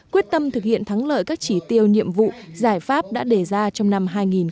quyết tâm thực hiện thắng lợi các chỉ tiêu nhiệm vụ giải pháp đã để ra trong năm hai nghìn một mươi chín